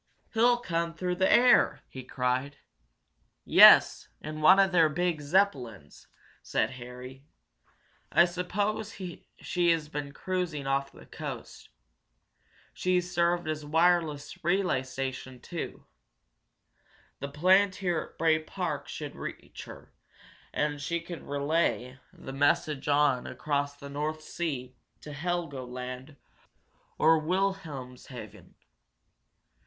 "He'll come through the air!" he cried. "Yes, in one of their big Zeppelins!" said Harry. "I suppose she has been cruising off the coast. She's served as a wireless relay station, too. The plant here at Bray Park could reach her, and she could relay the message on across the North Sea, to Helgoland or Wilhelmshaven.